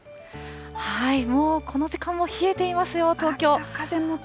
もうこの時間も冷えていますよ、東京。